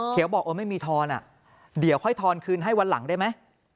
เขียวบอกว่าไม่มีทอนอ่ะเดี๋ยวค่อยทอนคืนให้วันหลังได้ไหม